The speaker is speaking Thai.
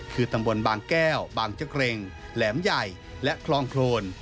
คือตำบลบางแก้วบางเจ้าเกร็งแหลมใหญ่และคลองโครน